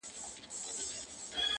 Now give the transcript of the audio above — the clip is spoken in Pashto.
o عدالت بايد رامنځته سي ژر,